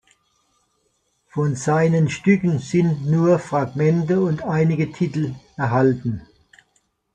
Von seinen Stücken sind nur Fragmente und einige Titel erhalten.